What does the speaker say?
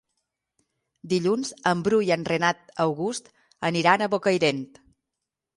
Dilluns en Bru i en Renat August aniran a Bocairent.